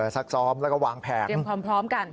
ซักซ้อมแล้วก็วางแผนเตรียมความพร้อมกัน